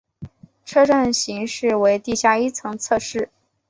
车站型式为地下一层侧式。